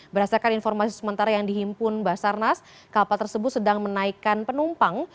berdasarkan informasi sementara yang dihimpun basarnas kapal tersebut sedang menaikkan penumpang